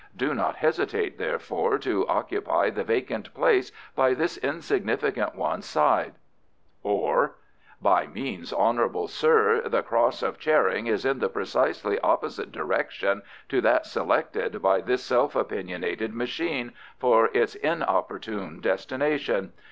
Do not hesitate, therefore, to occupy the vacant place by this insignificant one's side"; or, "By no means, honourable sir; the Cross of Charing is in the precisely opposite direction to that selected by this self opinionated machine for its inopportune destination.